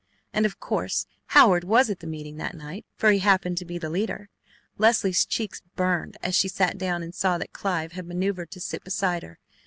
And of course Howard was at the meeting that night, for he happened to be the leader. Leslie's cheeks burned as she sat down and saw that Clive had manoeuvred to sit beside her.